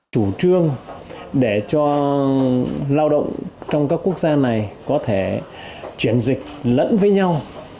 chủ trương để cho lao động trong các quốc gia này có thể chuyển dịch lẫn với nhau